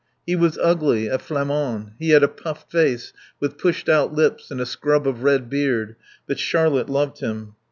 He was ugly, a Flamand; he had a puffed face with pushed out lips and a scrub of red beard; but Charlotte loved him.